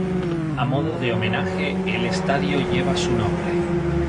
A modo de homenaje, el Estadio lleva su nombre.